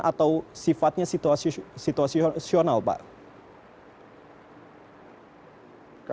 atau sifatnya situasional pak